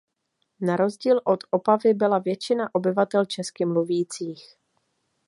Na rozdíl od Opavy byla většina obyvatel česky mluvících.